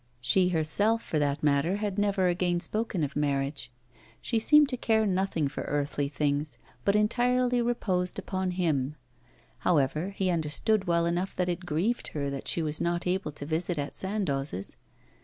She herself, for that matter, had never again spoken of marriage. She seemed to care nothing for earthly things, but entirely reposed upon him; however, he understood well enough that it grieved her that she was not able to visit at Sandoz's.